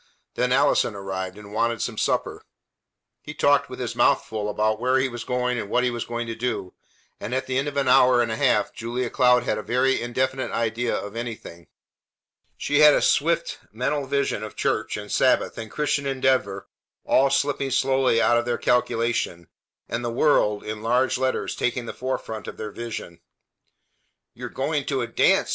Then Allison arrived, and wanted some supper. He talked with his mouth full about where he was going and what he was going to do, and at the end of an hour and a half Julia Cloud had a very indefinite idea of anything. She had a swift mental vision of church and Sabbath and Christian Endeavor all slipping slowly out of their calculation, and the WORLD in large letters taking the forefront of their vision. "You are going to a dance!"